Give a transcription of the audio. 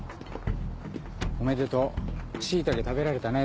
「おめでとうシイタケ食べられたね」